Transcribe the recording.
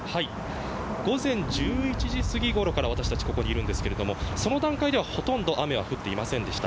午前１１時すぎごろから私たち、ここにいるんですがその段階ではほとんど雨は降っていませんでした。